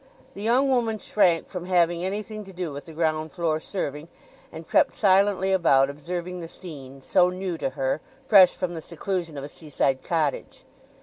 The young woman shrank from having anything to do with the ground floor serving, and crept silently about observing the scene—so new to her, fresh from the seclusion of a seaside cottage.